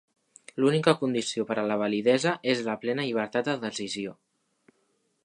L'única condició per a la validesa és la plena llibertat de decisió.